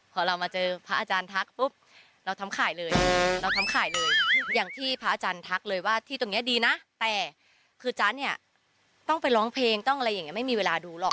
พอเรามาเจอพระอาจารย์ทักปุ๊บเราทำข่ายเลยเราทำข่ายเลยอย่างที่พระอาจารย์ทักเลยว่าที่ตรงนี้ดีนะแต่คือจ๊ะเนี่ยต้องไปร้องเพลงต้องอะไรอย่างนี้ไม่มีเวลาดูหรอก